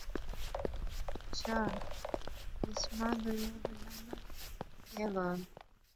ہنچھا دس ماں دویا گلاہ ناں کہیہ وہا